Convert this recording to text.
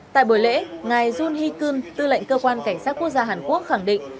tại buổi lễ ngài jun hee keun tư lệnh cơ quan cảnh sát quốc gia hàn quốc khẳng định